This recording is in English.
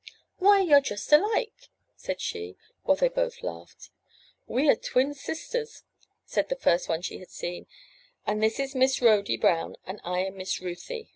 ''Why, you're just alike!" said she, while they both laughed. "We are twin sisters," said the first one she had seen, "and this is Miss Rhody Brown and I am Miss Ruthy."